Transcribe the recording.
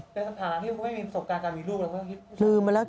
ฉันจะไปจำอะไรได้